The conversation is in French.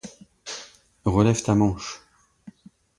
Relève ta manche.